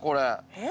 えっ？